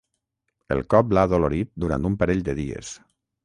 El cop l'ha adolorit durant un parell de dies.